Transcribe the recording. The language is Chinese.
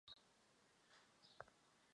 他现在已经是凯尔特人队的主力。